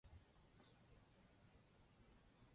瓦唐河畔默内人口变化图示